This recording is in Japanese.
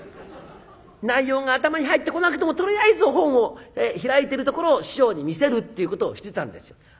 内容が頭に入ってこなくてもとりあえず本を開いてるところを師匠に見せるっていうことをしてたんですよ。